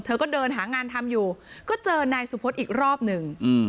เธอก็เดินหางานทำอยู่ก็เจอนายสุพธอีกรอบหนึ่ง